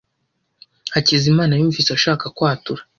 Hakizimana yumvise ashaka kwatura.